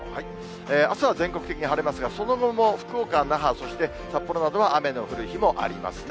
あすは全国的に晴れますが、その後も福岡、那覇、そして札幌などは雨の降る日もありますね。